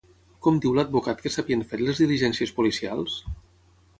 Com diu l'advocat que s'havien fet les diligències policials?